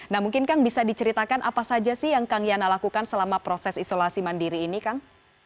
nah mungkin kang bisa diceritakan apa saja sih yang kang yana lakukan selama proses isolasi mandiri ini kang